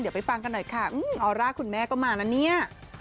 เดี๋ยวไปฟังกันหน่อยค่ะออร่าคุณแม่ก็มาแล้วเนี่ย